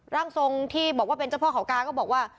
ร่างทรงที่บอกว่าเป็นเจ้าพ่อเขากาก็บอกว่า